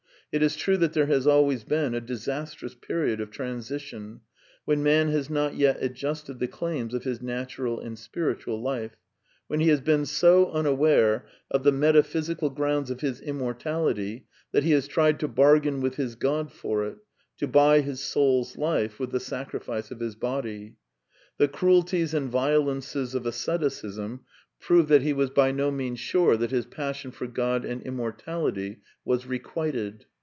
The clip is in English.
It is true that there has always been a dis astrous period of transition, when man has not yet adjusted the claims of his natural and spiritual life; when he has been so unaware of the metaphysical grounds of his immor •■. tality that he has tried to bargain with his God for it, to buy his soul's life with the sacrifice of his body. The cruelties and violences of asceticism proved that he was by / 826 A DEFENCE OF IDEALISM no means sure that his passion for God and immortality was requited.